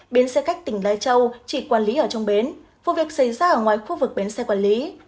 bến xe khách tỉnh lai châu chỉ quản lý ở trong bến vụ việc xảy ra ở ngoài khu vực bến xe quản lý